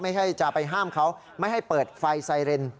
จะไปห้ามเขาไม่ให้เปิดไฟไซเรน